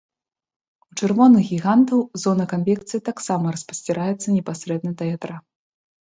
У чырвоных гігантаў зона канвекцыі таксама распасціраецца непасрэдна да ядра.